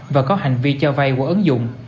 và có hành vi cho vay của ấn dụng